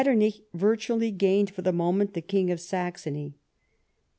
Metternich virtually gained for the moment, the King of Saxony.